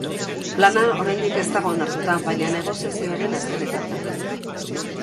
Plana oraindik ez dago onartuta, baina negoziazioaren azkenetan da.